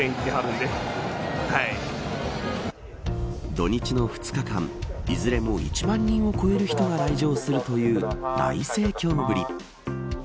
土日の２日間いずれも１万人を超える人が来場するという大盛況ぶり。